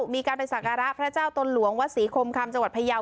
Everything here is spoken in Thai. มีการไปสักการะพระเจ้าตนหลวงวัดศรีคมคำจังหวัดพยาว